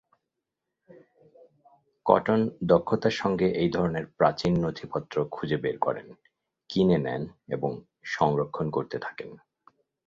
Cotton দক্ষতার সঙ্গে এই ধরনের প্রাচীন নথিপত্র খুঁজে বের করেন, কিনে নেন এবং সংরক্ষণ করতে থাকেন।